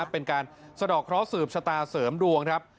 เป็นการสะดอกเคราะหืบชะตาเสริมดวงครับ